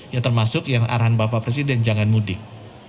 yang termasuk yang arahan bapak presiden jangan mudik